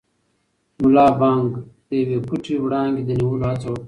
ملا بانګ د یوې پټې وړانګې د نیولو هڅه وکړه.